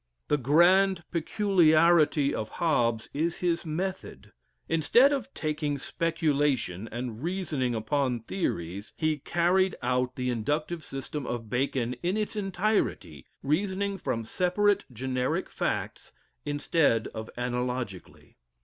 The grand peculiarity of Hobbes is his method. Instead of taking speculation and reasoning upon theories, he carried out the inductive system of Bacon in its entirety, reasoning from separate generic facts, instead of analogically.